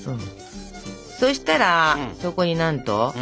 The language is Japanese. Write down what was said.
そしたらそこになんと重曹が。